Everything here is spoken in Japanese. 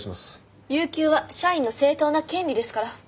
有休は社員の正当な権利ですから。